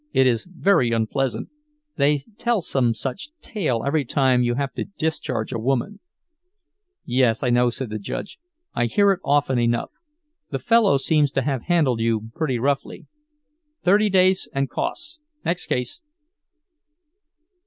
"It is very unpleasant—they tell some such tale every time you have to discharge a woman—" "Yes, I know," said the judge. "I hear it often enough. The fellow seems to have handled you pretty roughly. Thirty days and costs. Next case."